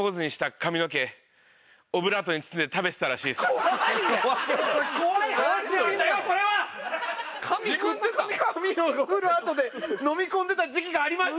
髪をオブラートで飲み込んでた時期がありました！